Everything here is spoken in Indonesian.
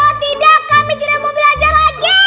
oh tidak kami tidak mau belajar lagi